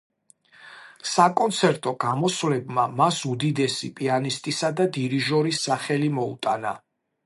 საკონცერტო გამოსვლებმა მას უდიდესი პიანისტისა და დირიჟორის სახელი მოუტანა.